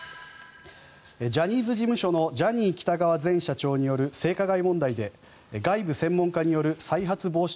ジャニーズ事務所のジャニー喜多川前社長による性加害問題で外部専門家による再発防止